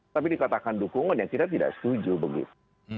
tapi dikatakan dukungannya kita tidak setuju begitu